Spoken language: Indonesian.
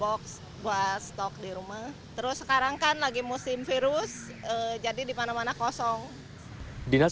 biasa tiga box buat stok di rumah terus sekarang kan lagi musim virus jadi di mana mana kosong dinas